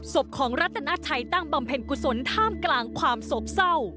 ศพของรัตนาชัยตั้งบำเพ็ญกุศลท่ามกลางความโศกเศร้า